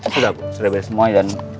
sudah sudah beres semua dan